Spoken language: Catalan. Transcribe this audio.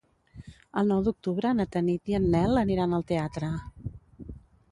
El nou d'octubre na Tanit i en Nel aniran al teatre.